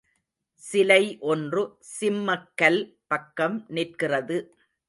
சிலை ஒன்று சிம்மக்கல் பக்கம் நிற்கிறது.